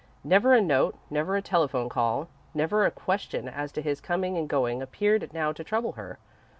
Never a note, never a telephone call, never a question as to his coming and going appeared now to trouble her.